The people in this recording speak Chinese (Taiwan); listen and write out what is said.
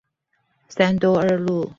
三多二路